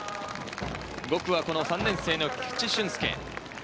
５区は３年生の菊地駿介。